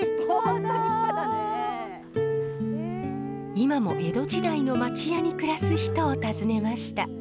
今も江戸時代の町家に暮らす人を訪ねました。